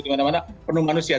dimana mana penuh manusia